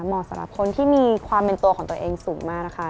เหมาะสำหรับคนที่มีความเป็นตัวของตัวเองสูงมากนะคะ